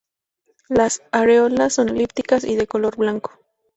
Las areolas son elípticas y de color blanco.